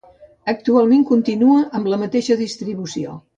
Actualment continua amb la mateixa distribució.